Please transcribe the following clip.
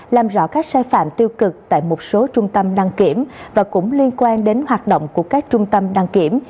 làm rõ các sai phạm tiêu cực tại một số trung tâm đăng kiểm và cũng liên quan đến hoạt động của các trung tâm đăng kiểm